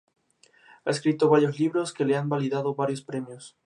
Ha tenido varias utilidades entre ellas la Casa del Común.